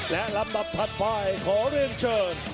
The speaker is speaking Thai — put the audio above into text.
และลำดับถัดไปขอเรียนเชิญ